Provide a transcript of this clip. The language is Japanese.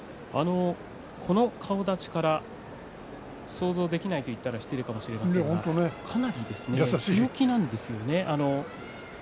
この顔だちから想像できないと言ったら失礼かもしれませんがかなり強気なんですよね